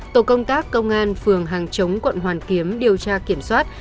tổ công tác công an phường hàng chống quận hoàn kiếm điều tra kiểm soát